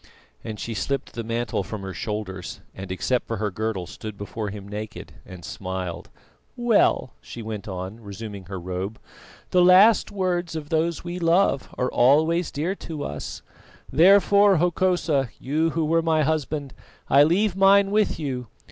and she slipped the mantle from her shoulders and except for her girdle stood before him naked, and smiled. "Well," she went on, resuming her robe, "the last words of those we love are always dear to us; therefore, Hokosa, you who were my husband, I leave mine with you.